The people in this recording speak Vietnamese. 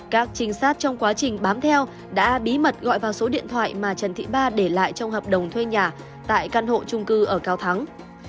các trinh sát trong quá trình bám theo đã bí mật gọi vào số điện thoại mà trần thị ba để lại trong hợp đồng thuê nhà tại căn hộ trung cư ở cao thắng